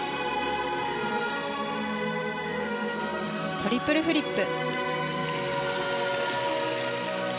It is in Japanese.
トリプルフリップ。